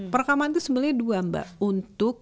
perekaman itu sebenarnya dua mbak untuk